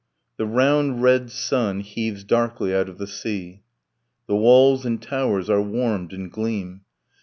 The round red sun heaves darkly out of the sea. The walls and towers are warmed and gleam.